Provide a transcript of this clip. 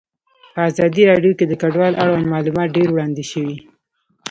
په ازادي راډیو کې د کډوال اړوند معلومات ډېر وړاندې شوي.